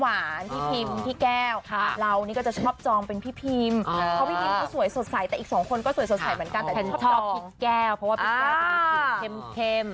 แต่ชอบพี่แก้วเพราะว่าพี่แก้วคือเข็ม